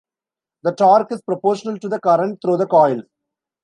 The torque is proportional to the current through the coil.